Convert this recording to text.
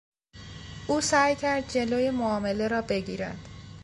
او سعی کرد جلو معامله را بگیرد.